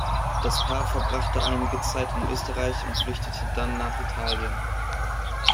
Das Paar verbrachte einige Zeit in Österreich und flüchtete dann nach Italien.